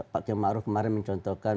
pak keng ma'ruf kemarin mencontohkan